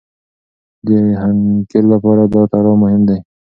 د حنکير لپاره دا تړاو مهم دی.